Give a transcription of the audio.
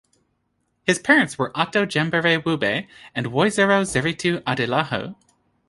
His parents were Ato Jenbere Wube and Woizero Zeritu Adelahu.